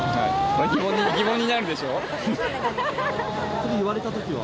それ言われた時は？